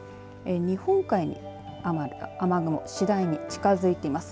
日本海に雨雲次第に近づいています。